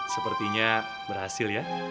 sepertinya berhasil ya